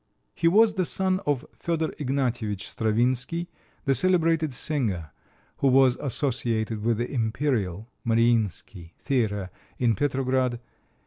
He was the son of Fedor Ignatievich Stravinsky, the celebrated singer who was associated with the Imperial (Maryinsky) Theater in Petrograd.